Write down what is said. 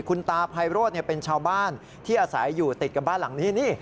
คุณตาไพโรธเป็นชาวบ้านที่อาศัยอยู่ติดกับบ้านหลังนี้นี่